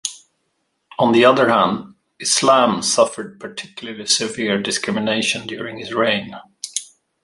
On the other hand, Islam suffered particularly severe discrimination during his reign.